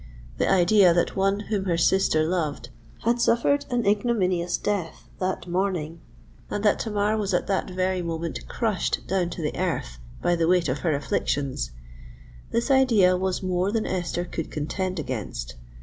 The idea that one whom her sister loved had suffered an ignominious death that morning, and that Tamar was at that very moment crushed down to the earth by the weight of her afflictions,—this idea was more than Esther could contend against.